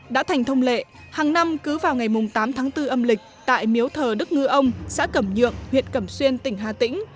đã thành thông lệ hàng năm cứ vào ngày tám tháng bốn âm lịch tại miếu thờ đức ngư ông xã cẩm nhượng huyện cẩm xuyên tỉnh hà tĩnh